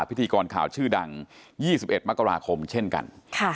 พิธีกรข่าวชื่อดัง๒๑มกราคมเช่นกัน